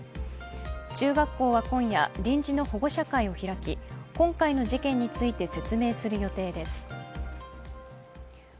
中学校は今夜、臨時の保護者会を開き今回の事件について説明する予定です。